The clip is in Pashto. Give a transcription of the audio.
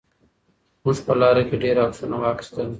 موږ په لاره کې ډېر عکسونه واخیستل.